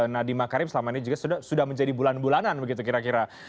nadiemah karim selama ini juga sudah menjadi bulanan bulanan begitu kira kira